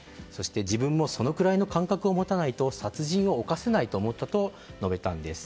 自分もそのくらいの感覚を持たないと殺人を犯せないと述べたんです。